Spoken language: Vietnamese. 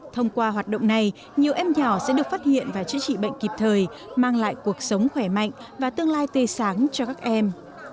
thông qua hoạt động này nhiều em nhỏ sẽ được phát hiện và chữa trị bệnh kịp thời mang lại cuộc sống khỏe mạnh và tương lai tươi sáng cho các em